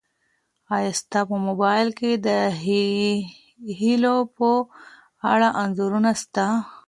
ایا ستا په موبایل کي د هیلو په اړه انځورونه سته؟